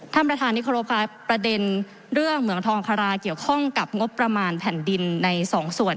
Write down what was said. ท่านประธานนิครบค่ะประเด็นเรื่องเหมืองทองคาราเกี่ยวข้องกับงบประมาณแผ่นดินในสองส่วน